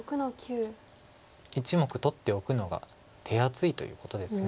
１目取っておくのが手厚いということです。